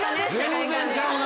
全然ちゃうな。